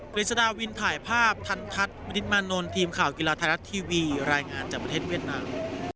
ฤษฎาวินถ่ายภาพทันทัศน์มณิชมานนท์ทีมข่าวกีฬาไทยรัฐทีวีรายงานจากประเทศเวียดนาม